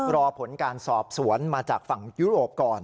รอผลการสอบสวนมาจากฝั่งยุโรปก่อน